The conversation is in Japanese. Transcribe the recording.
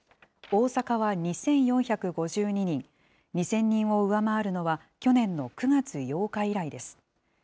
大阪は２４５２人、２０００人を上回るのは、去年の９月８日以来です。